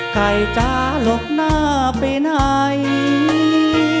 ใกล้ตาหลบหน้าไปไหน